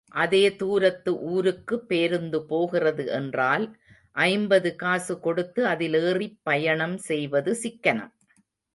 அதே தூரத்து ஊருக்கு பேருந்து போகிறது என்றால் ஐம்பது காசு கொடுத்து அதில் ஏறிப் பயணம் செய்வது சிக்கனம்.